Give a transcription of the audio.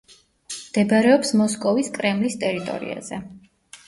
მდებარეობს მოსკოვის კრემლის ტერიტორიაზე.